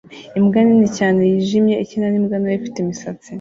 Imbwa nini cyane yijimye ikina nimbwa ntoya ifite imisatsi